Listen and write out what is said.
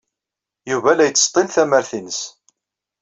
Yuba la yettseḍḍil tamart-nnes.